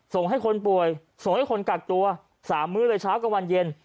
ส่งให้คนป่วยส่งให้คนกักตัว๓มื้อเลยเช้ากับวันเย็น